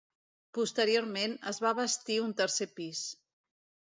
Posteriorment es va bastir un tercer pis.